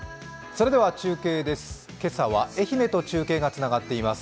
それでは中継です。